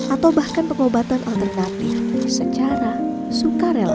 atau bahkan pengobatan alternatif secara sukarela